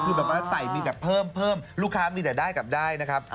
คือแบบว่าใส่มีแต่เพิ่มเพิ่มลูกค้ามีแต่ได้กับได้นะครับ